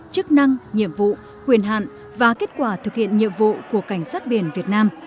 chức năng nhiệm vụ quyền hạn và kết quả thực hiện nhiệm vụ của cảnh sát biển việt nam